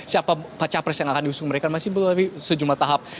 siapa pecah pres yang akan diusung mereka masih berarti sejumlah tahap